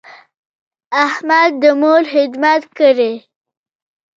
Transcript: احمد د مور خدمت کړی.